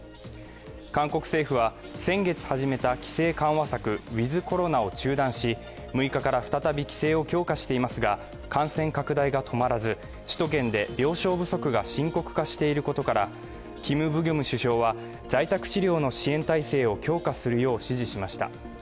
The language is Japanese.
韓国政府は先月始めた規制緩和策、ウィズ・コロナを中断し６日から再び規制を強化していますが感染拡大が止まらず首都圏で病床不足が深刻化していることからキム・ブギョム首相は在宅治療の支援体制を強化するよう指示しました。